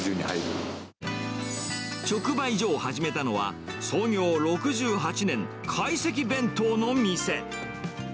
直売所を始めたのは、創業６８年、懐石弁当の店。